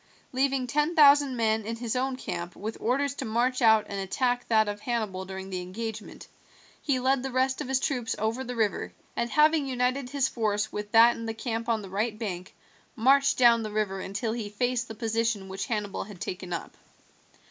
Leaving ten thousand men in his own camp with orders to march out and attack that of Hannibal during the engagement, he led the rest of his troops over the river, and having united his force with that in the camp on the right bank, marched down the river until he faced the position which Hannibal had taken up.